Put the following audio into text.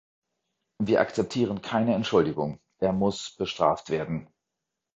Wir akzeptieren keine Entschuldigung, er muss bestraft werden.